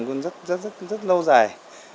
cũng rất lâu dài